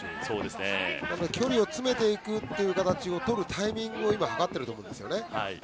距離を詰めていくという形をとるタイミングを今、計っているところですね。